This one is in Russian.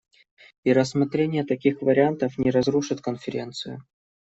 И рассмотрение таких вариантов не разрушит Конференцию.